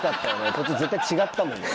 途中絶対違ったもんね。